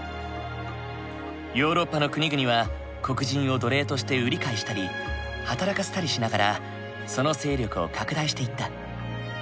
ヨーロッパの国々は黒人を奴隷として売り買いしたり働かせたりしながらその勢力を拡大していった。